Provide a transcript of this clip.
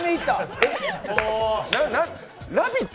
「ラヴィット！」